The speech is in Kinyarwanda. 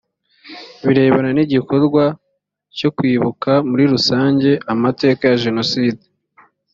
birebana n’igikorwa cyo kwibuka muri rusange amateka ya jenoside